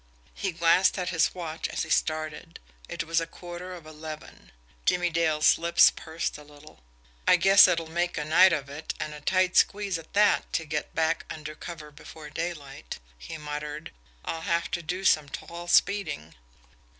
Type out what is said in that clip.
He glanced at his watch as he started it was a quarter of eleven. Jimmie Dale's lips pursed a little. "I guess it'll make a night of it, and a tight squeeze, at that, to get back under cover before daylight," he muttered. "I'll have to do some tall speeding."